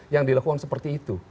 yang dilakukan seperti itu